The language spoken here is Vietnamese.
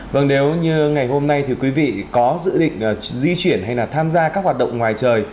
vâng nếu như ngày hôm nay thì quý vị có dự định di chuyển hay là tham gia các hoạt động ngoài trời